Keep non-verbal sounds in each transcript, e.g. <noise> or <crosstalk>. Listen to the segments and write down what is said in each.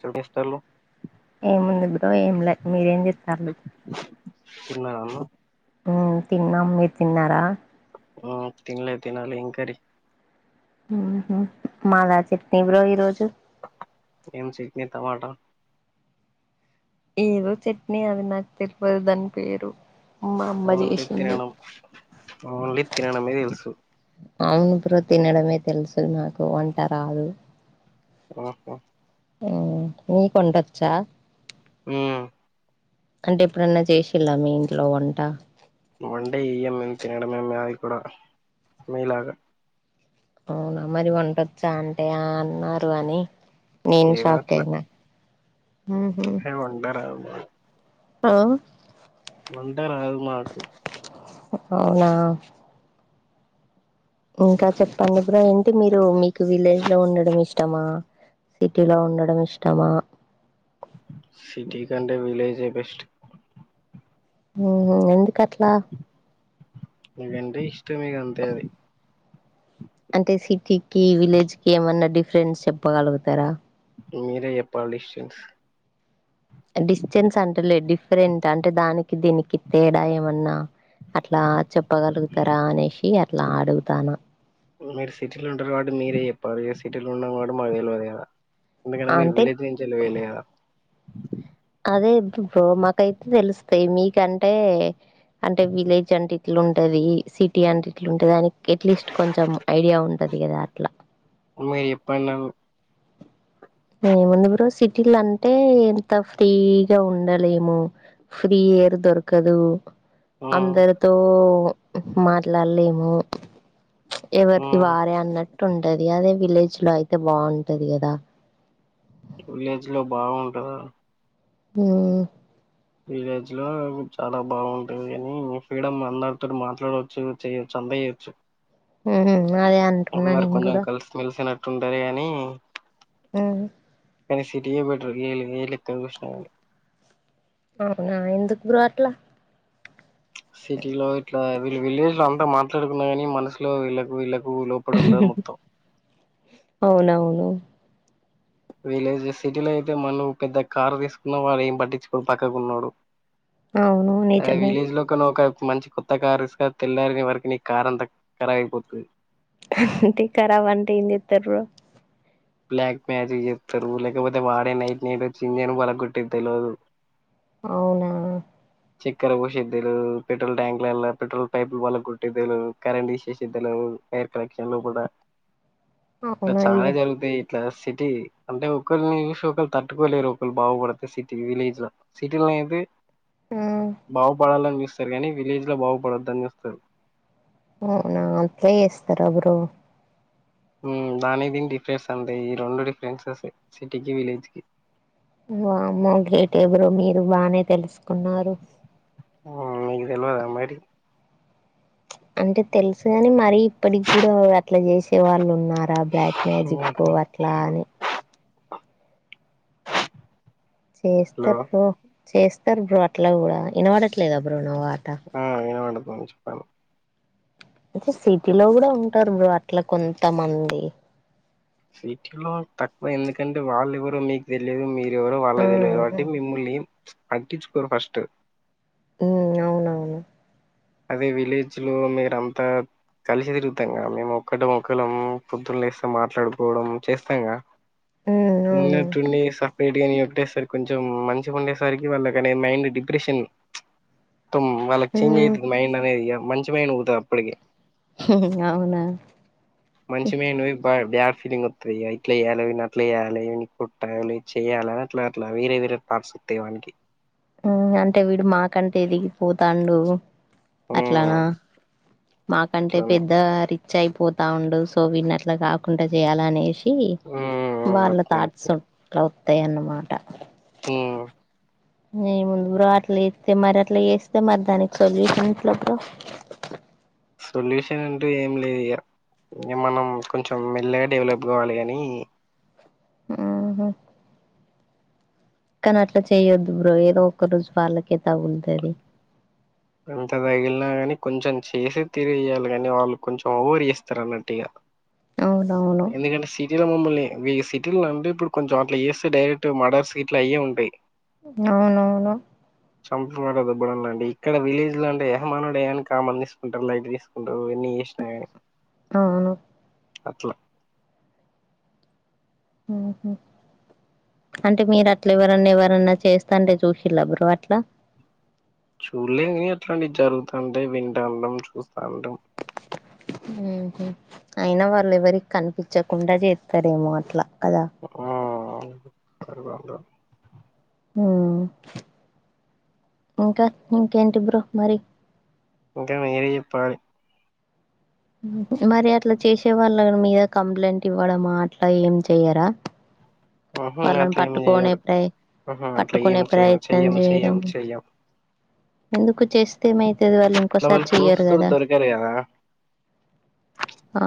చంపేస్తాన్నవ్ ఏముంది బ్రో ఏంలే మీరేంజేత్తాల్లు తిన్నవా అన్నం ఉమ్ తిన్నాం మీరు తిన్నారా? ఉమ్ తిన్లే తినాలి ఏం కర్రీ ఉమ్ హు మాదా చట్నీ బ్రో ఈరోజు ఏం చట్ని టమాట ఏదో చట్నీ అది నాకు తెల్వదు దాని పేరు మా అమ్మ ఓన్లీ చేసింది తినడం ఓన్లీ తినడమే తెలుసు అవును బ్రో తినడమే తెలుసు నాకు వంట రాదు ఆహా ఊ నీకొంటొచ్చా ఆ అంటే ఎప్పుడన్నా చేసిళ్లా మీ ఇంట్లో వొంట వంట చెయ్యం మేం తినడమే మాది కూడా మీలాగ అవునా మరి వంటొచ్చా అంటే ఆ అన్నారు అని నేన్ ఏదో షాక్ అట్లా అయినా ఆహా వంటారదు మా ఆ వంటా రాదు మాకు అవునా ఇంకా చెప్పండి బ్రో ఏంటి మీకు విలేజ్ లో ఉండడం ఇష్టమా సిటీలో ఉండడం ఇష్టమా సిటీ కంటే విలేజ్ ఏ బెస్ట్ ఉహు ఎందుకట్లా ఎందుకంటే ఇష్టం ఇగ అంతే అది అంటే సిటీకి విలేజ్ కి ఏమన్నా డిఫరెన్స్ చెప్పగలుగుతారా మీరే చేప్పాలి డిస్టన్స్ డిస్టెన్స్ అంటలే డిఫరెంట్ అంటే దానికి దీనికి తేడా ఏమన్నా అట్లా చెప్పగలుగుతారా అనేషి అట్లా అడుగుతాన్న మీరు సిటీలో ఉంటారు కాబట్టి మీరే చెప్పాలి మేం సిటీలుండం కావట్టి మాకు తెలవదు గదా ఎందుకంటే మీరు అంటే విలేజ్ నుంచి పొయ్యిలు కాదా అదే బ్రో మాకైతే తెలుస్తాయి మీకంటే అంటే విలేజ్ అంటి ఇట్లుంటది సిటీ అంటే ఇట్లుంటది అని ఎట్లీస్ట్ కొంచెం ఐడియా ఉంటది కదా అట్లా మీ చెప్పండను ఏముంది బ్రో సిటీల అంటే ఇంత ఫ్రీగా ఉండలేము ఫ్రీ ఏర్ దొరకదు మ్మ్ అందర్ తో మాట్లాడలేము ఎవరిది మ్మ్ వారే అన్నట్టు ఉంటది అదే విలేజ్ లో అయితే బాగుంటది కదా విలేజ్ లో బాగుంటందా హు విలేజ్ లో చాలా బాగుంటది గని మీ ఫ్రీడం అందరితోనీ మాట్లాడొచ్చు చేయొచ్చు అంత చేయొచ్చు ఉహు అదే అం అందరు కొంచెం కలిసిమెలిసినట్టుంటది కాని ఉహ్ కానీ సిటీ ఏ బెటర్ ఏ ఏ లెక్కానా చూసినగని అవునా ఎందుకు బ్రో అట్లా సిటీ లో ఇట్లా వీళ్ళ విలేజ్ లో అంతా మాట్లాడుకున్నా కాని మనసులో వీళ్ళ వీళ్లకు లో అవునవును విలేజ్ సిటీలో అయితే మన పెద్ద కారు తీసుకున్న వాడు ఏం పట్టించుకోడు పక్కకున్నోడు అవును అదే నిజమే విలేజ్ లో కని ఒక మంచి కొత్త కార తెస్కో తెల్లారే వరకు నీ కారంత కరవైపోతది అంటే కరాబ్ అంటే ఏం చెత్తరు బ్రో బ్లాక్ మ్యాజిక్ చేత్తరు లేకపోతే వాడే నైట్ నైట్ వచ్చింజేను బొలగోట్టేది తెలవదు అవునా చెక్కర పోసేది తెలియదు పెట్రోల్ ట్యాంక్లల్ల పెట్రొలు పైపులు పగలు కొట్టడం తెలియదు కరెంట్ తిసేది తెలియదు ఇషేస్ద్దలు నేను బయటికి వెళ్ళేలొపట ఇలా అవునా ఇ చాలా జరుగుతాయి ఇట్లా సిటీ అంటే ఒకరిని చూసి ఒకళ్రు తట్టుకోలేరు ఒకళ్రు బాగుపడితే సిటీ విలేజ్ లో సిటీల్లో అయితే బాగుపడాలని చూస్తారు కానీ విలేజ్ లో బాగుపడొద్దని చూస్తారు అవునా అట్లే చేేస్తార బ్రో దానికి దినికి డిఫరెన్స్ అంతే ఈ రెండు డిఫరెన్సెస్ సిటీకిి విలేజ్ కి వా మ్మో గ్రేట్ ఏ బ్రో మీరు బాగానే తెలుసుకున్నారు మీకు తెలువాదా మరి అంటే తెలుసుగాని మరి ఇప్పటికి కూడా అట్లా చేసే వాళ్ళు ఉన్నారా సర్పేజిక్ హలో అట్లా అని చేస్తారు బ్రో చేస్తారు బ్రో అట్లా కూడా వినపడట్లేదా బ్రో నా మట ఆ వినపడుతుంది చెప్పండి సిటీలో కూడా ఉంటారు బ్రో అట్లా కొంతమంది సిటీ లో తక్కువ ఎందుకంటే వాళ్ళు ఎవ్వరు మీకు తెలియదు మీర్ నూవ్వ ఎవరు ఆ వాళ్ళకి తెలిదుకబట్టి మిమ్మల్ని పట్టించుకోరు ఫస్ట్ అవునవును అదే విలేజ్ లో మీర అంతా కలిసి తిరుగుతాంగా మేము ఒక్కట మొక్కలం పొద్దున్న లేస్తే మాట్లాడుకోవడం చేస్తాంగా ఉమ్ అవును ఉన్నట్టుండి హ రేట్ కాని ఒకట్టేసరికి కొంచెం మంచిగా ఉండేసరికి వాళ్ళకనే మైండ్ డిప్రెషన్ హం వాళ్ళకి చేంజ్ అవుతుంది ఉమ్ మైండ్ అనేది మంచి మైండ్ ఉంటది అప్పటికకి అవునా మంచి మైండ్ పోయి బ్యడ్ ఫీలింగ్ వస్ ఇట్లా చేయాలి విప్పి అట్లా చేయాలి అనుకుంట చేయాలి అట్లా అట్లా ఇడే్ అంతేవానికి అంటే వీడు మాకంటే ఎదిగిపోతాండు మ్ అట్లానా మాకంటే అట్లనే పెద్ద రిచ్ అయిపోతా ఉండు సో వీన్నట్లా కాకుండా చేయాలి అనేసి హ్మ్ వాళ్ళ అట్లే థాట్స్ అట్లే అట్ల వత్తయి అన్నమాట ఆ నిముందు బ్రో అట్లా ఇస్తే మరి అట్లా చేస్తే మరి దానికి సొల్యూషన్ ఎట్లప్ప సొల్యూషన్ అంటూ ఏం లేదు ఇంకా మనం కొంచెం మెల్లగా డెవలప్ కావాలి కాని ఆహా కానీ అట్లా చేయొద్దు బ్రో ఏదో ఒక రోజు వాళ్ళకే తగులుతది అంత తగిలినా గాని కొంచెం చేసే తిరే చెయాలి కాని వాళ్ళు కొంచెం ఓవర్ చేస్తారు అన్నట్టుగా అవున ఎందుకంటే సి సిటీల మమ్మల్ని సిటీ అంటే ఇప్పుడు కొంచం అట్ల చేేస్తే డైరెక్ట్ మడర్ సిట్లు అయ్యే ఉంటాయి అవునవును చంపదుబ్బడె ఇలాంటివి ఇక్కడ విలేజ్ లో అంటే మనోడే అని కామన్గ లైట్ తీసుకుంటారు ఎన్ని చేసినగన్ అవును అట్లా అంటే మీరు అట్లా ఎవరన్నా ఎవరన్నా చేస్తే కంటే చూసిళ్ళా మీరు అట్లా చూలే కాని అట్లాంటి జరుగుతాంటాయ్ వింటాంటం చూస్తాంటాం మ్మ్ఉహ్మ్ అయినా వాళ్ళు ఎవరికి కనిపిచకుండా చేత్తారేమో అట్లా కదా ఆ అవును <unintelligible> ఉమ్మ్ ఇంకా ఇంకేంటి బ్రో మరి ఇంకా మీరే చెప్పాలి మరి అట్లా చేసే వాళ్ళ మీద కంప్లైంట్ ఇవ్వడము అట్లా ఏం చెయ్యరా ఉహు వాళ్ళను అట్లా ఏం పట్టుకునే చేయాలి ప్రయ ఉహు అట్లా ఏం పట్టుకునే చెయ్యం ప్రయత్నం చెయ్యం చెయ్యం చేయడం చెయ్యం ఎందుకు చేస్తే ఏమైతది వాళ్ళు ఇట్లా ఇంకోసారి వాళ్ళు చెయ్యరు ప్రూఫ్స్ తోటి కదా దొరకరు కదా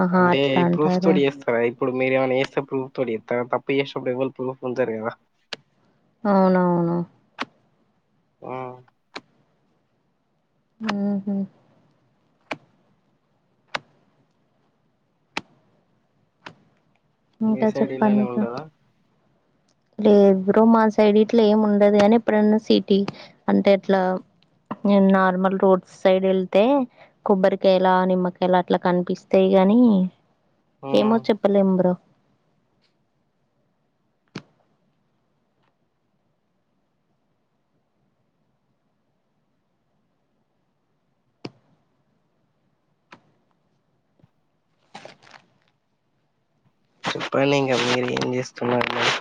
ఆహా అంటే ప్రూఫ్స్ అట్లంటారా తోటి చేస్తారా ఇప్పుడు మీరేమన్న చేస్తే ప్రూఫ్ తోటి చెప్తారా తప్పు చేసేటప్పుడు ఎవ్వళ్ళు ప్రూఫ్ ఉంచరు కదా అవునవును ఆ మ్మ్ఉహ్మ్ మీ ఇంకా సైడ్ చెప్పండి ఇలానే ఇక ఉంటదా లేదు బ్రో మా సైడ్ ఇట్లా ఏం ఉండదు కాని ఎప్పుడన్నా సిటీ అంటే అట్లా నేను నార్మల్ రోడ్స్ సైడ్ ఎళ్తే కొబ్బరికాయల నిమ్మకాయలు అట్లా కనిపిస్తాయి గాని ఆ ఏమో చెప్పలేం బ్రో చెప్పడి ఇంక మీరు ఏం చేస్తున్నారు మేడం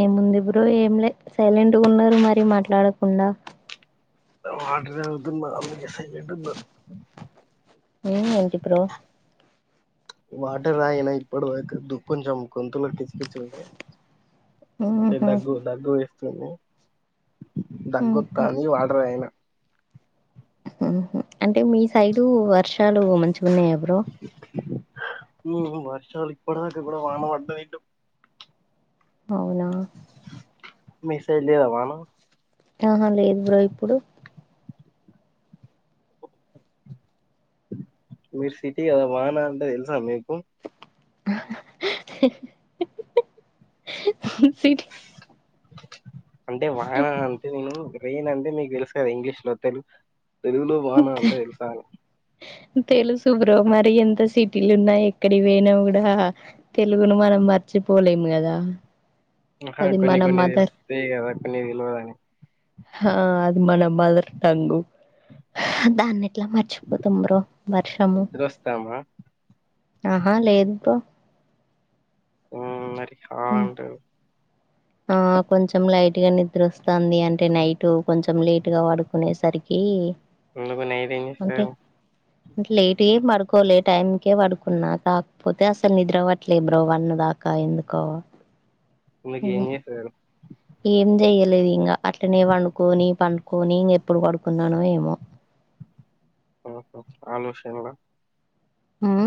ఏముంది బ్రో ఏం లే సైలెంటుగున్నారు మరి మాట్లాడకుండా వాటర్ తాగుతున్న అందుకే సైలెంటున్న ఏ ఏంటి బ్రో వాటర్ తాగరా ఇప్పటివరకు దుఃఖం చంపుకుంటున్న టి కిచుండే ఉహు దగ్గు దగ్గు వేస్తుంది ఉహు దగ్గొతాంది వాటర్ తాగిన మ్మ్ఉహ్మ్ అంటే మీ సైడు వర్షాలు మంచిగున్నాయా బ్రో ఉమ్మ్ ఉమ్మ్ వర్షాలు ఇప్పటిదాక కూడా వాన పడ్డది ఇటు అవునా మీ సైడ్ లేదా వాన ఆహా లేదు బ్రో ఇప్పుడు మీరు సిటీ కదా వాన అంటే తెలుసా మీకు సిటీ అంటే వాన అంటే నేను రెయిన్ అంటే మీకు తెలుస్తాది ఇంగ్లీష్‌లో తెలుగు తెలుగులో వాన అంటే తెలుసాని సు బ్రో మరి ఎంత సిటీలో ఉన్నా ఎక్కడికి పోయినా కూడా తెలుగును మనం మర్చిపోలేము కదా అక్కడ అది కొన్ని మన కొన్ని మదర్ తెలుస్తాయి కదా కొన్ని తెలువదని ఆ అది మన మదర్ టంగు దాన్ని ఎట్లా మర్చిపోతాం బ్రో వర్షము నిద్రొస్తామా ఆహా లేదు బ్రో ఆ మరి హ్మ్ అంటే ఆ కొంచెం లైట్‌గా నిద్ర వస్తాంది అంటే నై టు కొంచెం లేటుగా పడుకునేసరికి ఎందుకు నైట్ ఏం అంటే చేస్తారు లేటేం పడుకోలే, టైంకే పడుకున్నా, కాకపోతే అసలు నిద్ర పట్లే బ్రో వన్ను దా కా ఎందుకో, ఇంగ ఎందుకేం చేసారు. ఏం చెయలేదు ఇంగ, అట్లనే వండుకొని పండుకొని ఇంగ ఎప్పుడు పడుకున్నానో ఏమో, ఆహా ఆలోచన్ల మ్మ్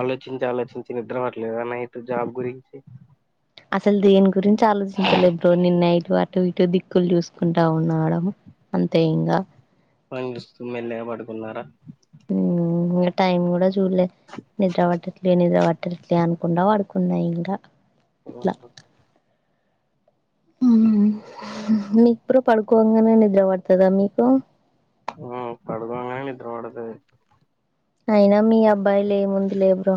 ఆలోచించి ఆలోచించి నిద్రపట్లేదా నైట్ జాబ్ గురిం, అసలు దేని గురించి ఆలోచించలేద్ బ్రో నేను నైటు అటు ఇటు దిక్కులు చూసుకుంటా ఉన్నాడా, అంతే ఇంగ, పైన్చూస్తూ మెల్లెగా పడుకున్నారా? ఉమ్ ఇంగ టైమ్ కూడా చూడ్లే, నిద్ర పట్టట్లే నిద్ర పట్ టట్లే అనుకుంట పడుకున్నా ఇంగ, ఆహా మ్ మీక్ బ్రో పడుకోంగానే నిద్ర పడుతదా మీకు, ఆ పడుకోంగానే నిద్రపడతది, అయినా మీ అబ్బాయిలు ఏముంది లే బ్రో,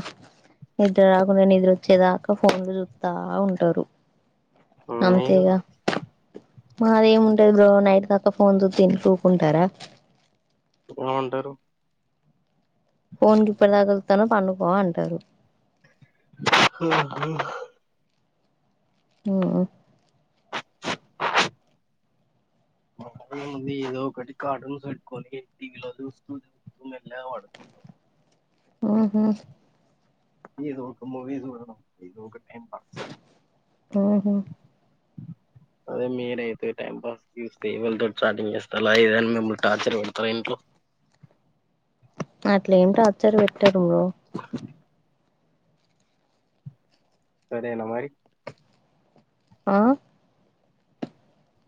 నిద్ర రాకున్నా నిద్ర వచ్చేదాకా ఫోన్లు చూ త్తా ఉంటారు, మీరు అంతేగా మాదేముంటది బ్రో నైట్ దాకా ఫోన్ చూత్తే ఇంట్లూకుంటారా, వా అంటరు. ఫోన్ గిప్పుడిదాకా చూత్తాన్నవ్ పండుకో అంటారు, హ్ హో ఉమ్ మా మోగోళ్ళదేముంది ఏదో ఒకటి కార్టూన్స్ పెట్టుకొని టీవీలో చూస్తూ చూస్తూ మెల్లగా పడుకోం ఉహు ఏదో ఒక మూవీ చూడడం, ఇదొక టైం పాస్, ఊహు అదే మీరైతే టైం పాస్కి ఎవళ్తోని చాటింగ్ చేస్తాళా ఏదని మిమ్మల్ని టార్చర్ పెడతార ఇంట్లో, అట్లేం టార్చర్ పెట్టరు, కట్ చేయనా మరి ఆ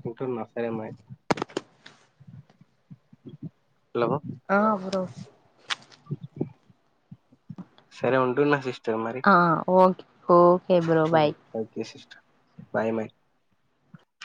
ఉంటున్న సరే మరి, హలో ఆ బ్రో సరే ఉంటున్న సిస్టర్ మరి, ఆ okay okay bro bye, okay sister, bye my